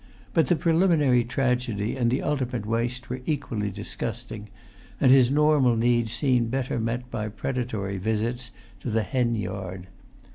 But the preliminary tragedy and the ultimate waste were equally disgusting, and his normal needs seemed better met by predatory visits to the hen yard.